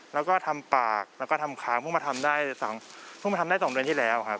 แล้วก็ทำปากแล้วก็ทำค้างเพิ่งมาทำได้เพิ่งมาทำได้๒เดือนที่แล้วครับ